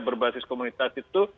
berbasis komunitas itu